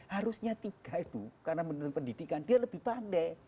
harusnya tiga itu karena menurut pendidikan dia lebih pandai